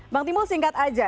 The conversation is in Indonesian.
bang timul singkat saja